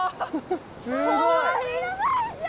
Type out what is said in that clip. すごい！